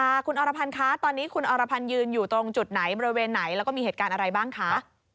คุณอรพันธ์คะตอนนี้คุณอรพันธ์ยืนอยู่ตรงจุดไหนบริเวณไหนแล้วก็มีเหตุการณ์อะไรบ้างคะ